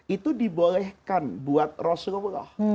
itu dibolehkan buat rasulullah